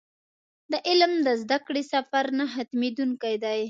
د علم د زده کړې سفر نه ختمېدونکی دی.